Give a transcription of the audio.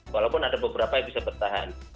walaupun ada beberapa yang bisa bertahan